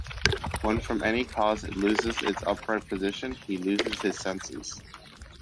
When from any cause it loses its upright position, he loses his senses.